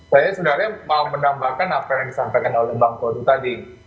saya sebenarnya mau menambahkan apa yang disampaikan oleh bang kodu tadi